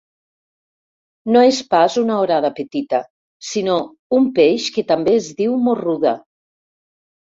No és pas una orada petita, sinó un peix que també es diu morruda.